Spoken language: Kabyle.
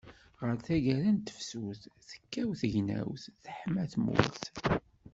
Γer taggara n tefsut, tekkaw tegnawt, teḥma tmurt.